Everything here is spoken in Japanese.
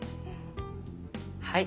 はい。